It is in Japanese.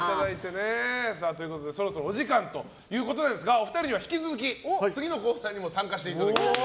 そろそろお時間ということですがお二人には引き続き次のコーナーにも参加していただきます。